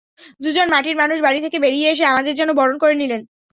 দুজন মাটির মানুষ বাড়ি থেকে বেরিয়ে এসে আমাদের যেন বরণ করে নিলেন।